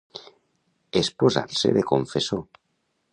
Esposar-se de confessor.